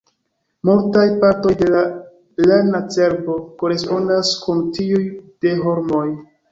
Multaj partoj de la rana cerbo korespondas kun tiuj de homoj.